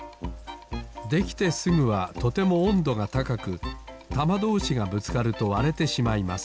できてすぐはとてもおんどがたかくたまどうしがぶつかるとわれてしまいます。